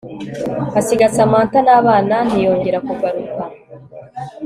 asiga Samantha nabana ntiyongera kugaruka